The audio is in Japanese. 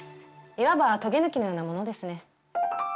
いわばとげ抜きのようなものですね。